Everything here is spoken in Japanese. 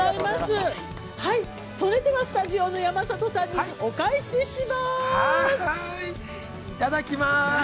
◆それではスタジオの山里さんにお返しします。